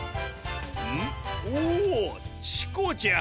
ん⁉おぉチコちゃん！